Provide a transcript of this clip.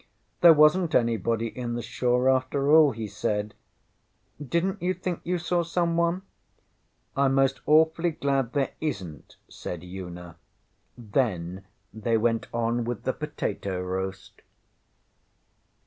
ŌĆśThere wasnŌĆÖt anybody in the Shaw, after all, ŌĆÖ he said. ŌĆśDidnŌĆÖt you think you saw someone? ŌĆÖ ŌĆśIŌĆÖm most awfully glad there isnŌĆÖt, ŌĆÖ said Una. Then they went on with the potato roast.